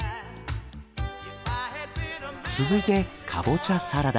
続いてかぼちゃサラダ。